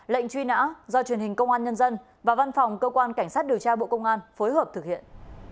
lệnh truy nã do truyền hình công an nhân dân và văn phòng cơ quan cảnh sát điều tra bộ công an phối hợp thực hiện